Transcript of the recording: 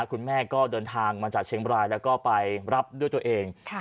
คุณแม่ก็เดินทางมาจากเชียงบรายแล้วก็ไปรับด้วยตัวเอง